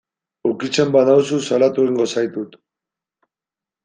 Ukitzen banauzu salatu egingo zaitut.